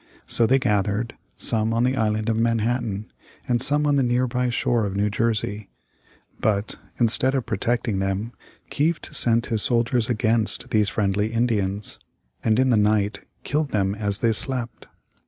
So they gathered, some on the Island of Manhattan, and some on the nearby shore of New Jersey. But instead of protecting them, Kieft sent his soldiers against these friendly Indians, and in the night killed them as they slept.